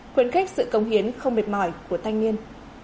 khuyến khích sự công hiến không mệt mỏi của thanh niên